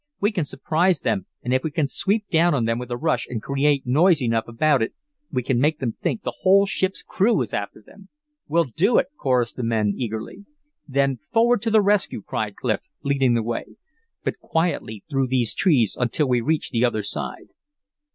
We can surprise them, and if we sweep down on them with a rush and create noise enough about it we can make them think the whole ship's crew is after them." "We'll do it!" chorused the men, eagerly. "Then, forward to the rescue!" cried Clif, leading the way. "But quietly through these trees until we reach the other side."